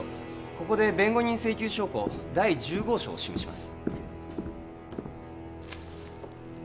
ここで弁護人請求証拠第１０号証を示します